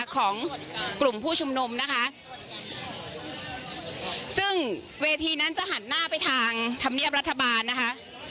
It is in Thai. ของกลุ่มผู้ชุมนุมนะคะซึ่งเวทีนั้นจะหันหน้าไปทางธรรมเนียบรัฐบาลนะคะ